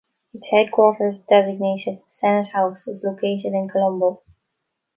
Its headquarters designated "Senate House" was located in Colombo.